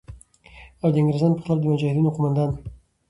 او د انگریزانو په خلاف د مجاهدینو قوماندان